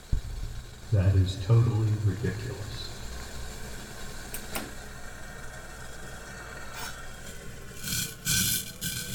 That is totally ridiculous.